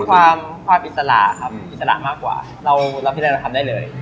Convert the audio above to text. ความอิสระครับอิสระมากกว่าเราพิจารณาเราทำได้เลย